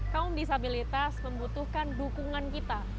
kaum disabilitas membutuhkan dukungan kita